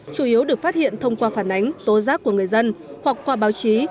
chủ yếu được phát hiện thông qua phản ánh tố giác của người dân hoặc qua báo chí